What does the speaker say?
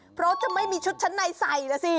เพราะจะไม่มีชุดชั้นในใส่นะสิ